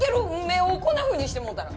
目をこんなふうにしてもうたら。